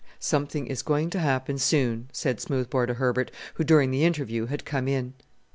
"Something is going to happen soon," said Smoothbore to Herbert, who during the interview had come in.